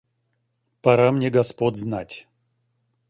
Пора мне господ знать.